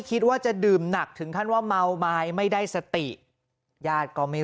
คิดว่าจะดื่มหนักถึงขั้นว่าเมาไม้ไม่ได้สติญาติก็ไม่